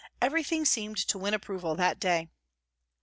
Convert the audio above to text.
Everything seemed to win approval that day.